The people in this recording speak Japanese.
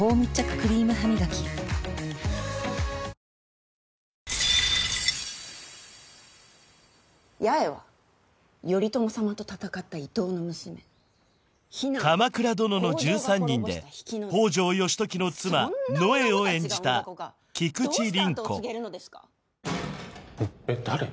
クリームハミガキ八重は頼朝様と戦った伊東の娘「鎌倉殿の１３人」で北条義時の妻のえを演じた菊地凛子おっえっ誰？